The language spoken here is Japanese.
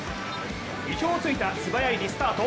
意表をついたすばやいリスタート。